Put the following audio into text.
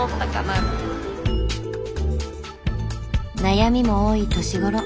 悩みも多い年頃。